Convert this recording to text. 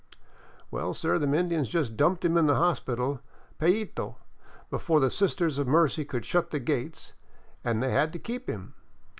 Well, sir, them Indians just dumped him in the I hospital payteeo before the Sisters of Mercy could shut the gates, an' they had to keep him.